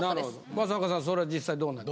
益若さんそれは実際どうなの？